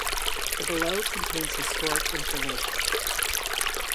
The below contains historic information.